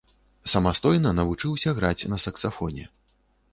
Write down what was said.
Самастойна навучыўся граць на саксафоне.